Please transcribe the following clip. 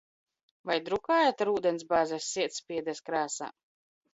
Vai drukājat ar ūdensbāzes sietspiedes krāsām?